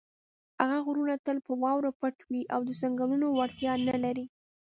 هغه غرونه تل په واورو پټ وي او د څنګلونو وړتیا نه لري.